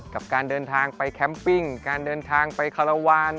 กับการเดินทางไปแคมปิ้งการเดินทางไปคาราวาน